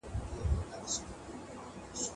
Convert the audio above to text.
کتابونه لوستل کړه.